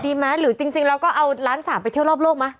ดีไหมหรือจริงเราก็เอาล้านสามไปเที่ยวรอบโลกไหม